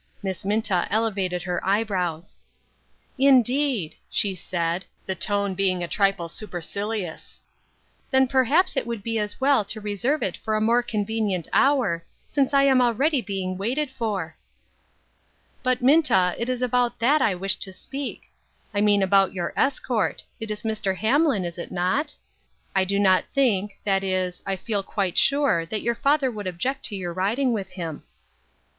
Miss Minta ele vated her eyebrows. " Indeed," she said, the tone being a trifle super cilious ; "then perhaps it would be as well to reserve it for a more convenient hour, since I am already being waited for." " But, Minta, it is about that I wish to speak ; I mean about your escort ; it is Mr. Hamlin, is it not ? I do not think, that is, I feel quite sure that your father would object to your riding with him."